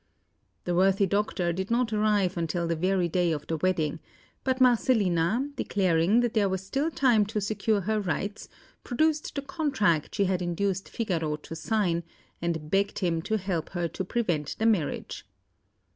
The worthy doctor did not arrive until the very day of the wedding; but Marcellina, declaring that there was still time to secure her rights, produced the contract she had induced Figaro to sign, and begged him to help her to prevent the marriage.